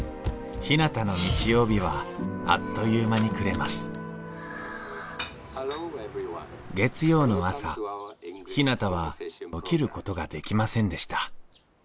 ひなたの日曜日はあっという間に暮れます月曜の朝ひなたは起きることができませんでした。